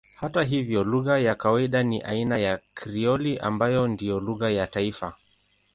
Hata hivyo lugha ya kawaida ni aina ya Krioli ambayo ndiyo lugha ya taifa.